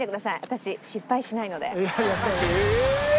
私失敗しないので。